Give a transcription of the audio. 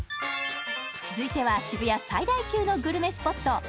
続いては渋谷最大級のグルメスポット